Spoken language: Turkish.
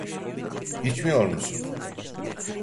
İçmiyor musun?